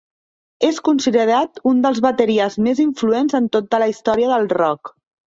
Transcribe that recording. És considerat un dels bateries més influents en tota la història del rock.